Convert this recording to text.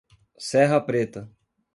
Serra Preta